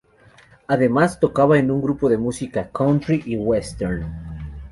Además, tocaba en un grupo de música country y western.